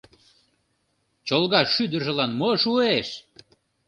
Чолга шӱдыржылан мо шуэш?